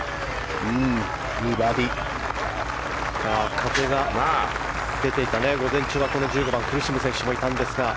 風が出ていた午前中はこの１５番苦しむ選手もいたんですが。